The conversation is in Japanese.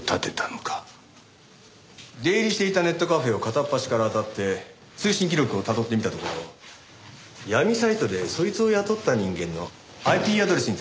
出入りしていたネットカフェを片っ端から当たって通信記録をたどってみたところ闇サイトでそいつを雇った人間のＩＰアドレスにたどり着きました。